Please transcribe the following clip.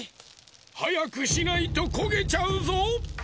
はやくしないとこげちゃうぞ。